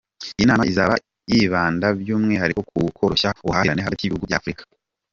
Iyi nama izaba yibanda by’umwihariko ku koroshya ubuhahirane hagati y’ibihugu bya Afurika.